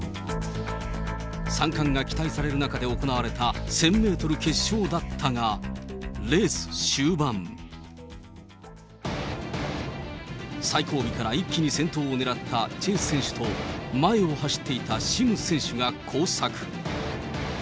３冠が期待される中で行われた１０００メートル決勝だったが、レース終盤、最後尾から一気に先頭を狙ったチェ選手と、前を走っていたシム選手が交錯。